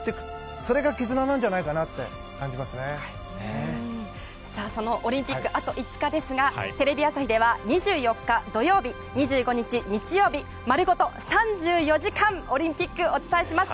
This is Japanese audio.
それが絆なんじゃないかなってそのオリンピックあと５日ですがテレビ朝日では２４日、土曜日２５日、日曜日丸ごと３４時間オリンピックお伝えします。